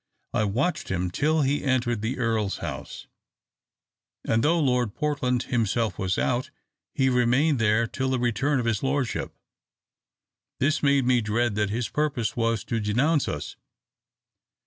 I watched him till he entered the Earl's house, and, though Lord Portland himself was out, he remained there till the return of his lordship. This made me dread that his purpose was to denounce us.